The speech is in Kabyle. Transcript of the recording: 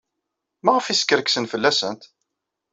Maɣef ay skerksen fell-asent?